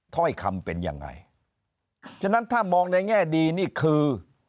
ถ้อยคำเป็นยังไงฉะนั้นถ้ามองในแง่ดีนี่คือ